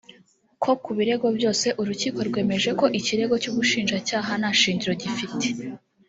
ko ku birego byose “urukiko rwemeje ko ikirego cy’ubushinjacyaha nta shingiro gifite